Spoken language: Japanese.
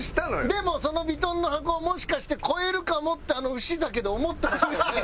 でもそのヴィトンの箱をもしかして超えるかもってあの牛酒で思ってましたよね？